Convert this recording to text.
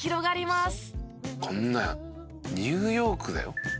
「こんなニューヨークだよ」